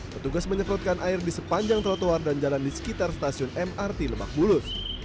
petugas menyemprotkan air di sepanjang trotoar dan jalan di sekitar stasiun mrt lebak bulus